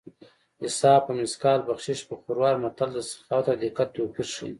حساب په مثقال بخشش په خروار متل د سخاوت او دقت توپیر ښيي